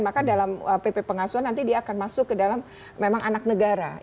maka dalam pp pengasuhan nanti dia akan masuk ke dalam memang anak negara